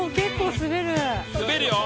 滑るよ。